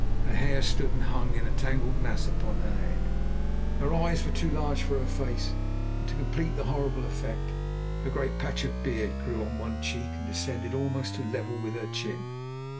Her hair stood and hung in a tangled mass upon her head, her eyes were too large for her face, and to complete the horrible effect, a great patch of beard grew on one cheek, and descended almost to a level with her chin.